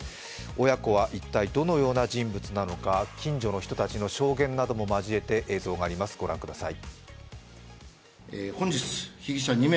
親子は一体どのような人物なのか、近所の人たちの証言も交えて映像があります、ご覧ください。